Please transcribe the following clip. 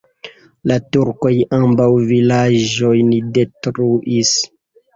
La turkoj ambaŭ vilaĝojn detruis.